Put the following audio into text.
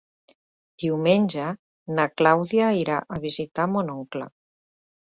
Diumenge na Clàudia irà a visitar mon oncle.